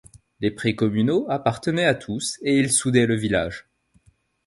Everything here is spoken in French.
Les prés communaux appartenaient à tous, et ils soudaient le village.